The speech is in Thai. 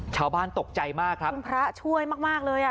ชาวบ้านตกใจมากครับคุณพระช่วยมากมากเลยอ่ะ